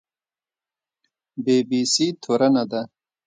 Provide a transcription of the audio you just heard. بي بي سي تورنه ده